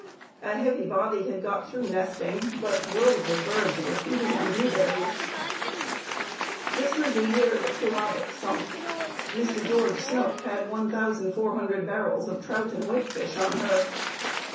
A heavy body had got through nesting, but worlds of birds were feeding on blueberries. This was the year the Pewabic sunk. Mr. George Snook had 1,400 barrels of trout and whitefish on her.